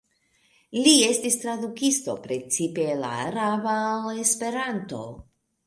Li estis tradukisto precipe el la araba al esperanto.